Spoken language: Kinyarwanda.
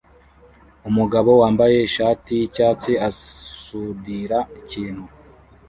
Umugabo wambaye ishati yicyayi asudira ikintu